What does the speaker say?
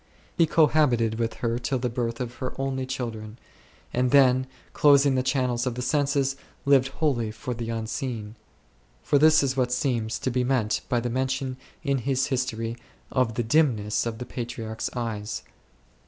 He cohabited with her till the birth of her only children5, and then, closing the channels of the senses, lived wholly for the Unseen ; for this is what seems to be meant by the mention in his •history of the dimness of the Patriarch's eyes.